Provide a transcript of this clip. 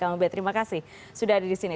kamu bet terima kasih sudah ada di sini